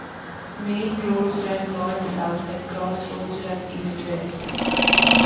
Main roads run north-south and Cross roads run east-west.